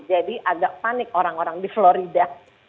jadi agak panik orang orang di florida